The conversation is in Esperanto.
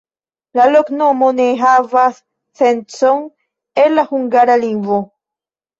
La loknomo ne havas sencon el la hungara lingvo.